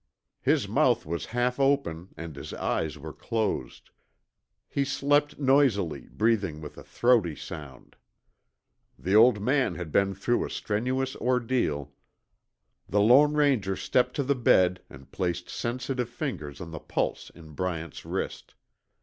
His mouth was half open and his eyes were closed. He slept noisily, breathing with a throaty sound. The old man had been through a strenuous ordeal. The Lone Ranger stepped to the bed and placed sensitive fingers on the pulse in Bryant's wrist.